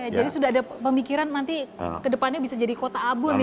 jadi sudah ada pemikiran nanti kedepannya bisa jadi kota abon nih